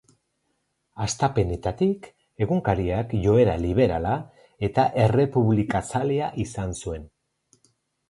Hastapenetatik, egunkariak joera liberala eta errepublikazalea izan zuen.